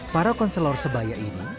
para konselor sebayai ini